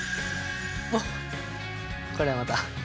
おっこれはまた。